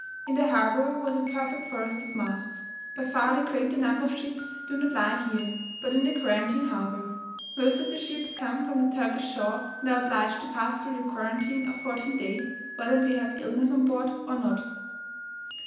In the harbour was a perfect forest of masts. By far the greater number of ships do not lie here, but in the quarantine harbour. Most of the ships come from the Turkish shore, and are obliged to pass through a quarantine of fourteen days, whether they have illness on board or not.